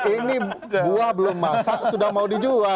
ini buah belum masak sudah mau dijual